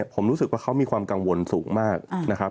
ผมรู้สึกว่าเขามีความกังวลสูงมากนะครับ